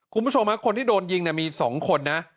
คุณผู้ชมครับคนที่โดนยิงเนี่ยมีสองคนนะ